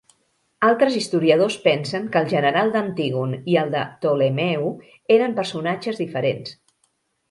Altres historiadors pensen que el general d'Antígon i el de Ptolemeu eren personatges diferents.